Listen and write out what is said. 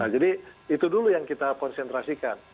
jadi itu dulu yang kita konsentrasikan